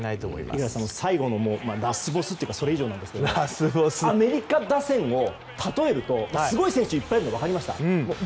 五十嵐さん最後のラスボスというかそれ以上なんですけどアメリカ打線をたとえるとすごい選手がいっぱいいるのは分かりました。